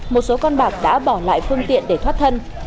một số con bạc đã bỏ lại phương tiện để thoát thân